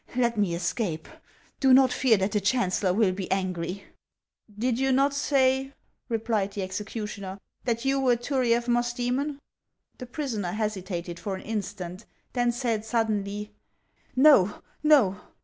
Let me escape; do not fear that the chancellor will be angry." " Did you not say," replied the executioner, " that you were Turiaf Musdcemon ?" The prisoner hesitated for an instant, then said sud denly :" Xo, no